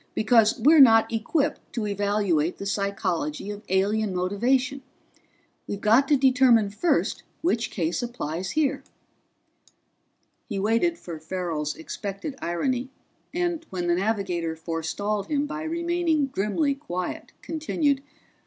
"Because we're not equipped to evaluate the psychology of alien motivation. We've got to determine first which case applies here." He waited for Farrell's expected irony, and when the navigator forestalled him by remaining grimly quiet, continued.